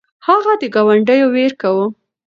هغه د ګاونډیو ویر کاوه.